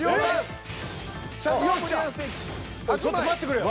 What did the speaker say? おいちょっと待ってくれよ。